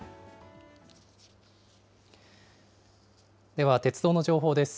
では鉄道の情報です。